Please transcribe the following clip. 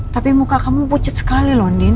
tapi muka kamu pucat sekali loh ndin